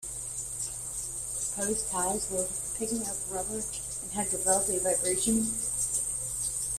Prost's tires were picking up rubber and had developed a vibration.